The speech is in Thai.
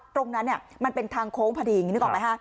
ตรงนั้นมันเป็นทางโค้งพอดีนึกออกไป